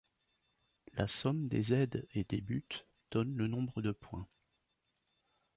La somme des aides et des buts donne le nombre de points.